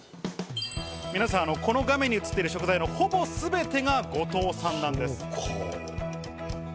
皆さん、この画面に映っている食材のほぼすべてが五島産なんです。